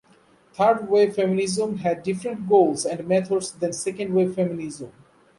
Third wave feminism had different goals and methods than second wave feminism.